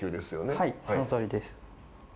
はいそのとおりです。